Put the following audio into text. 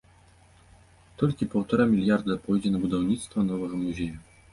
Толькі паўтара мільярда пойдзе на будаўніцтва новага музея.